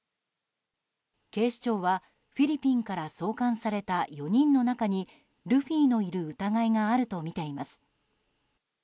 警視庁はフィリピンから送還された４人の中に、ルフィのいる疑いがあるとみています。